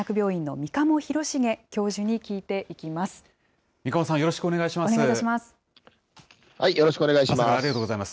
三鴨さん、よろしくお願いいたします。